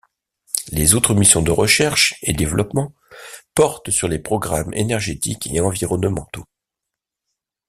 Leurs autres missions de recherche et développement portent sur les programmes énergétiques et environnementaux.